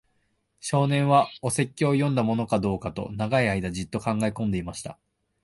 少年は、お説教を読んだものかどうかと、長い間じっと考えこんでいました。